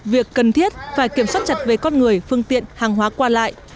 việc cần thiết phải kiểm soát chặt về con người phương tiện hàng hóa qua lại